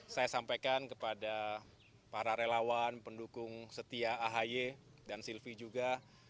saya sampaikan kepada para relawan pendukung setia ahy dan silvi juga